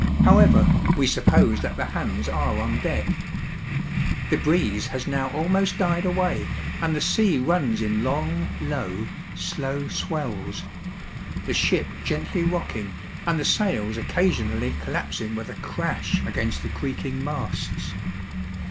However, we suppose that the hands are on deck. The breeze has now almost died away, and the sea runs in long, low, slow swells; the ship gently rocking, and the sails occasionally collapsing with a crash against the creaking masts.